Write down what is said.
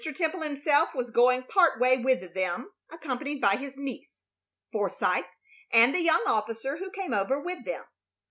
Temple himself was going part way with them, accompanied by his niece, Forsythe, and the young officer who came over with them.